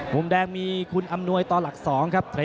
มุมแดงมีคุณอำนวยต่อหลัก๒ครับ